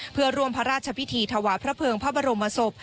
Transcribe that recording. เพื่อร่วมพระราชพิธีถวายพระเภิงพระบรมศพ